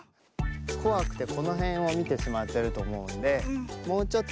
こわくてこのへんをみてしまってるとおもうのでもうちょっとめせんをとおくに。